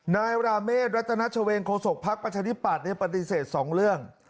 นายราเมฆรัตนัชเวงโฆษกภักดิ์ประชาธิปัตย์ปฏิเสธ๒เรื่อง